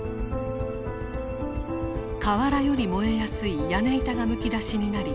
瓦より燃えやすい屋根板がむき出しになり